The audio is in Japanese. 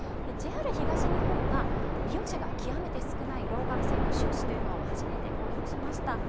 ＪＲ東日本が利用者が極めて少ないローカル線の収支を初めて公表しました。